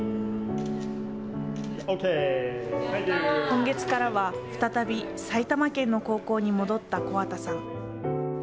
今月からは再び埼玉県の高校に戻った木幡さん。